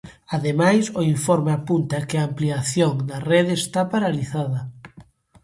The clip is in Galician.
Ademais, o informe apunta que a ampliación da rede está paralizada.